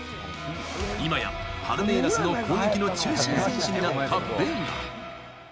今やパルメイラスの攻撃の中心選手になったベイガ。